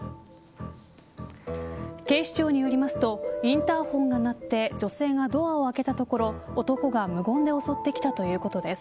警視庁によりますとインターフォンが鳴って女性がドアを開けたところ男が無言で襲ってきたということです。